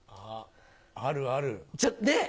あるある。ねぇ。